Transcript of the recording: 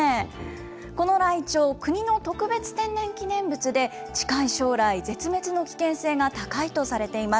このライチョウ、国の特別天然記念物で、近い将来、絶滅の危険性が高いとされています。